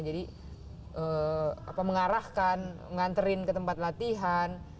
jadi mengarahkan mengantarkan ke tempat latihan